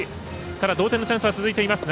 同点のチャンスは続いています。